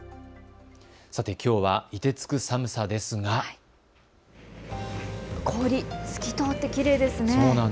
さて、きょうはいてつく寒さですが氷、透き通ってきれいですね。